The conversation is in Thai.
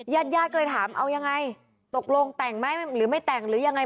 ญาติญาติก็เลยถามเอายังไงตกลงแต่งไหมหรือไม่แต่งหรือยังไง